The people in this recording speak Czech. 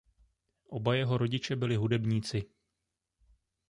Oba jeho rodiče byli hudebníci.